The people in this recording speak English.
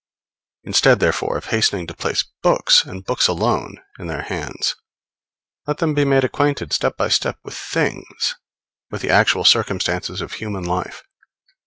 Instead, therefore, of hastening to place books, and books alone, in their hands, let them be made acquainted, step by step, with things with the actual circumstances of human life.